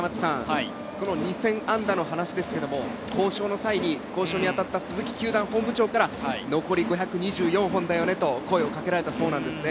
２０００安打の話ですけれど、交渉にあたった鈴木球団本部長から残り５２４本だよねと声をかけられたそうです。